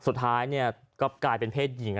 สุดท้ายก็กลายเป็นเพศหญิง